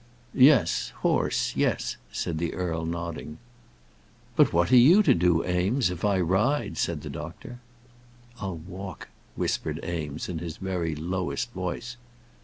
"Yes; horse yes " said the earl, nodding. "But what are you to do, Eames, if I ride?" said the doctor. "I'll walk," whispered Eames, in his very lowest voice.